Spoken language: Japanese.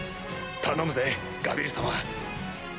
頼むぜガビル様。